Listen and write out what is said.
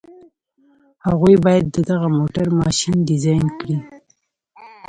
هغوی بايد د دغه موټر ماشين ډيزاين کړي.